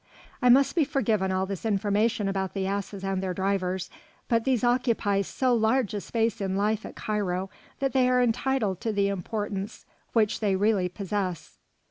I must be forgiven all this information about the asses and their drivers, but these occupy so large a space in life at Cairo that they are entitled to the importance which they really possess.